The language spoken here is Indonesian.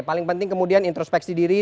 paling penting kemudian introspeksi diri